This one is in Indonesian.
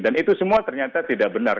dan itu semua ternyata tidak benar